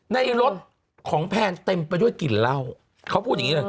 ในรถของแพนเต็มไปด้วยกลิ่นเหล้าเขาพูดอย่างนี้เลย